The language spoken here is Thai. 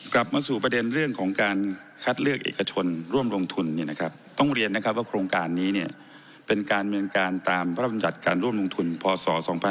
กลับมาสู่ประเด็นเรื่องของการคัดเลือกเอกชนร่วมลงทุนเนี่ยนะครับต้องเรียนนะครับว่าโครงการนี้เนี่ยเป็นการเมืองการตามพระรำจัดการร่วมลงทุนพศ๒๕๖๒